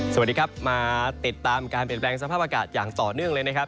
สวัสดีครับมาติดตามการเปลี่ยนแปลงสภาพอากาศอย่างต่อเนื่องเลยนะครับ